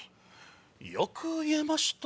よく言えました。